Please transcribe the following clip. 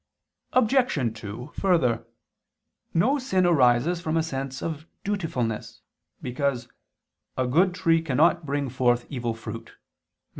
Obj. 2: Further, no sin arises from a sense of dutifulness, because "a good tree cannot bring forth evil fruit" (Matt.